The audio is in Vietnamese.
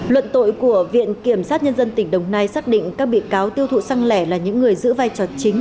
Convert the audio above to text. luận tội của viện kiểm sát nhân dân tỉnh đồng nai xác định các bị cáo tiêu thụ xăng lẻ là những người giữ vai trò chính